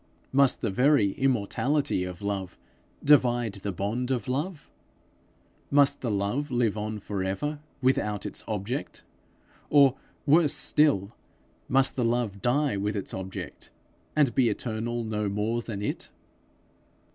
Must the very immortality of love divide the bond of love? Must the love live on for ever without its object? or worse still, must the love die with its object, and be eternal no more than it?